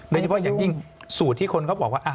โดยเฉพาะอย่างยิ่งสูตรที่คนเขาบอกว่า